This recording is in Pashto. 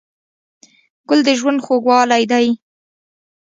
ګل د ژوند خوږوالی دی.